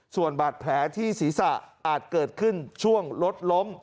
ส่วนบาดแผลที่ศีรษะอาจเกิดขึ้นช่วงรถล้ม